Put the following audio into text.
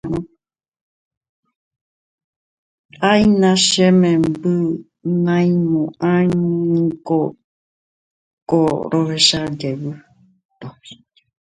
Áina che memby naimo'ãiniko ko rohechajey